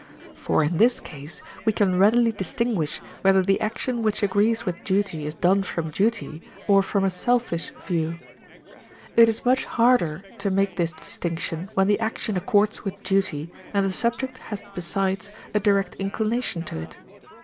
For in this case we can readily distinguish whether the action which agrees with duty is done from duty, or from a selfish view. It is much harder to make this distinction when the action accords with duty and the subject has besides a direct inclination to it.